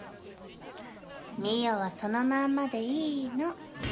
澪はそのまんまでいいの。